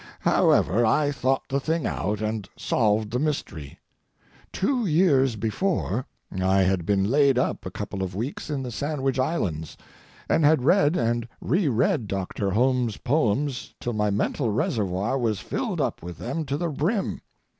However, I thought the thing out, and solved the mystery. Two years before, I had been laid up a couple of weeks in the Sandwich Islands, and had read and re read Doctor Holmes's poems till my mental reservoir was filled up with them to the brim.